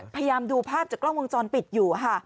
พยายามดูภาพจากกล้องวงจรปิดอยู่ค่ะ